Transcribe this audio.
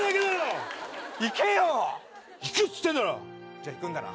じゃあ行くんだな？